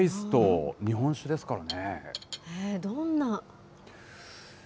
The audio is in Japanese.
どんな。